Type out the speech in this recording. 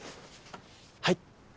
はい。